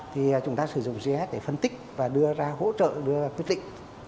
thì chúng ta sử dụng gis để phân tích và đưa ra hỗ trợ đưa ra quyết định